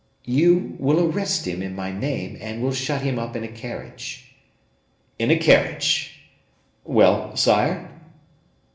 "You will arrest him in my name, and will shut him up in a carriage." "In a carriage. Well, sire?"